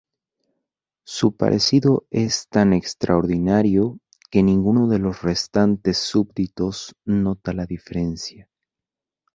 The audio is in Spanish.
Su parecido es tan extraordinario que ninguno de los restantes súbditos nota la diferencia.